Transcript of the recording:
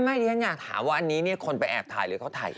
ไม่เรียนอยากถามว่าอันนี้คนไปแอบถ่ายหรือเขาถ่ายเอง